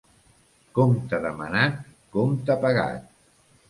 Compte demanat, compte pagat.